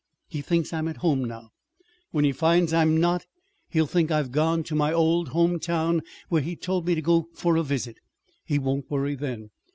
He thinks I'm at home now. When he finds I'm not, he'll think I've gone to my old home town where he told me to go for a visit. He won't worry then.